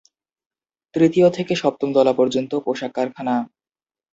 তৃতীয় থেকে সপ্তম তলা পর্যন্ত পোশাক কারখানা।